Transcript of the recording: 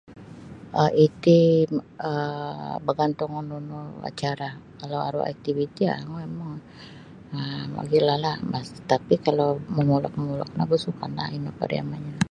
um iti um bagantung nunu acara kalau aru aktiviti um ngoyon mu um mogilolah tapi' kalau momulok-momulok nogu sampana' ino pariama'nyo.